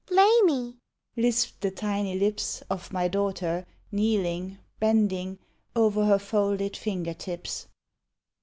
Lay me," lisped the tiny lips Of my daughter, kneeling, bending O'er her folded finger tips.